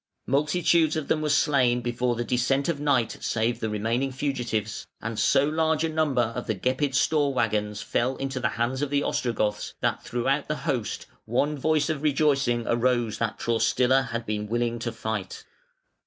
Multitudes of them were slain before the descent of night saved the remaining fugitives, and so large a number of the Gepid store waggons fell into the hands of the Ostrogoths that throughout the host one voice of rejoicing arose that Traustila had been willing to fight.